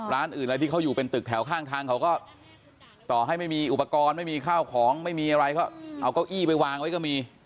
ร้านอื่นอะไรที่เขาอยู่เป็นตึกแถวข้างทางเขาก็ต่อให้ไม่มีอุปกรณ์ไม่มีข้าวของไม่มีอะไรก็เอาเก้าอี้ไปวางไว้ก็มี